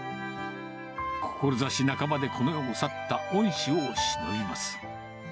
志半ばでこの世を去った恩師をしのびます。